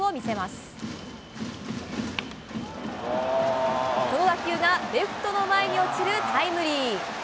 この打球がレフトの前に落ちるタイムリー。